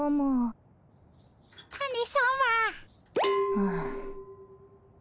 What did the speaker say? はあ。